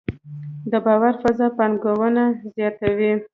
د باور فضا پانګونه زیاتوي؟